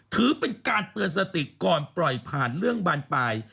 ถือเป็นการเตือนสติก่อนปล่อยผ่านเรื่องบานปลาย